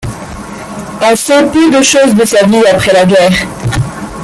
On sait peu de choses de sa vie après la guerre.